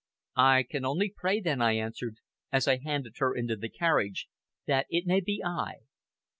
"I can only pray then," I answered, as I handed her into the carriage, "that it may be I."